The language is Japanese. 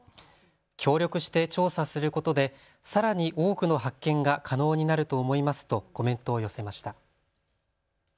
協力して調査することでさらに多くの発見が可能になると思いますとコメントを寄せました。